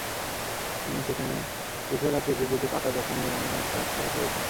তিনি সেখানে বিশাল আকৃতির দুটি পাকা দোকান নির্মাণের কাজ শুরু করেছেন।